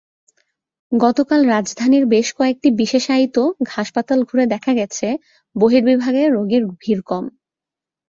গতকাল রাজধানীর বেশ কয়েকটি বিশেষায়িত হাসপাতাল ঘুরে দেখা গেছে, বহির্বিভাগে রোগীর ভিড় কম।